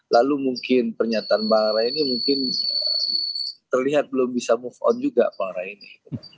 lalu mungkin pernyataan bang ray ini mungkin terlihat belum bisa move on juga perkara ini